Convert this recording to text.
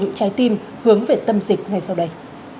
những trái tim hướng về tâm dịch ngay sau đây